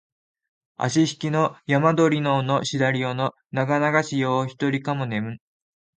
あしひきの山鳥の尾のしだり尾のながながし夜をひとりかも寝む